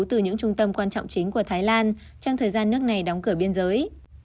từ những trung tâm quan trọng chính của thái lan trong thời gian nước này đóng cửa biên giới